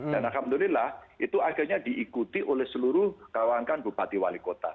dan alhamdulillah itu akhirnya diikuti oleh seluruh kawangkan bupati wali kota